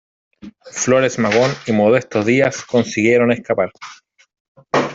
Flores Magón y Modesto Díaz consiguieron escapar.